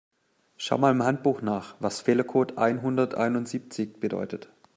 Schau mal im Handbuch nach, was Fehlercode einhunderteinundsiebzig bedeutet.